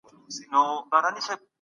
قرآن کریم د فکر کولو ارزښت یادوي.